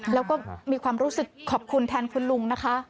แล้วก็มีความรู้สึกขอบคุณแทนคุณลุงนะคะ